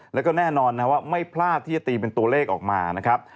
แล้วก็แน่นอนนะว่าไม่พลาดที่จะตีเป็นตัวเลขออกมานะครับ